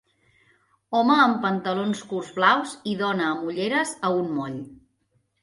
Home amb pantalons curts blaus i dona amb ulleres a un moll.